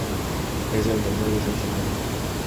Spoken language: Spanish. Es el menor de seis hermanos.